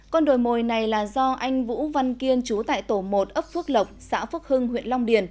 con đồi mồi này là do anh vũ văn kiên chú tại tổ một ấp phước lộc xã phước hưng huyện long điền